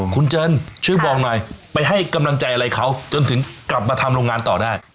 คุณเจินช่วยบอกหน่อยไปให้กำลังใจอะไรเขาจนถึงกลับมาทำโรงงานต่อได้